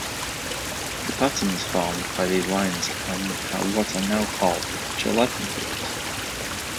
The patterns formed by these lines are what are now called "Chladni figures".